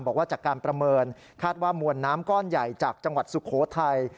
บอกว่าจากการประเมินคาดว่ามวลน้ำก้อนใหญ่จากจังหวัดสุโขทัย